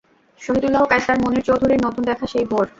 শহীদুল্লাহ কায়সার, মুনীর চৌধুরীর নতুন দেখা সেই ভোর।